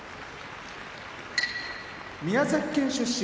宮崎県出身